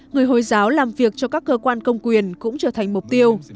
người hồi giáo làm việc cho các cơ quan công quyền cũng trở thành mục tiêu